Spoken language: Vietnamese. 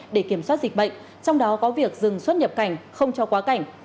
để kiểm soát dịch bệnh trong đó có việc dừng xuất nhập cảnh không cho quá cảnh